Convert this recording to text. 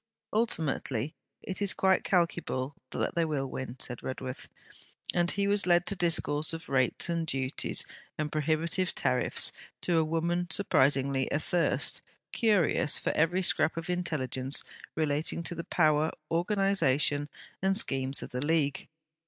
'Ultimately, it is quite calculable that they will win,' said Redworth; and he was led to discourse of rates and duties and prohibitive tariffs to a woman surprisingly athirst, curious for every scrap of intelligence relating to the power, organization, and schemes of the League.